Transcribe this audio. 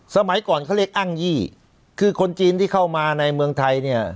สมัยก่อนเขาเรียกอ้างยี่คือคนจีนที่เข้ามาในเมืองไทยเนี่ย